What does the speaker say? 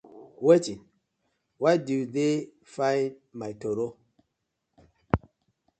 Wetin? Why do dey find my toro?